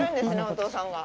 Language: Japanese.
お父さんが。